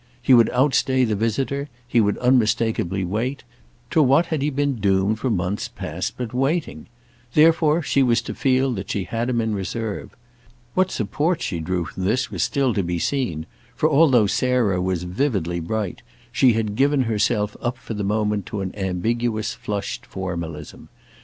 He would outstay the visitor; he would unmistakeably wait; to what had he been doomed for months past but waiting? Therefore she was to feel that she had him in reserve. What support she drew from this was still to be seen, for, although Sarah was vividly bright, she had given herself up for the moment to an ambiguous flushed formalism.